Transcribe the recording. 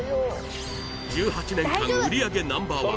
１８年間売上Ｎｏ．１